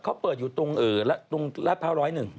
เขาเปิดอยู่ตรงราภา๑๐๑